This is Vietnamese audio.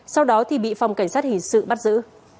sau đó thì bị phòng cảnh sát hình sự bắt giữ